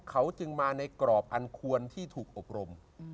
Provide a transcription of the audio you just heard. เขาจึงมาในกรอบอันควรที่ถูกอบรม